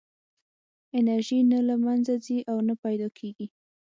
انرژي نه له منځه ځي او نه پیدا کېږي.